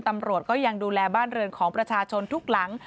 ตำรวจก็ยังดูแลบ้านเรือนของประชาชนทุกหลัง